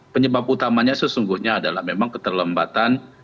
penyebab utamanya sesungguhnya adalah memang keterlambatan